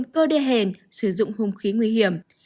cơ đề hèn sử dụng hung khí nguy hiểm